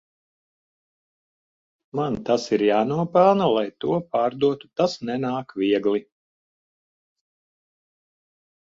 Man tas ir jānopelna lai to pārdotu, tas nenāk viegli.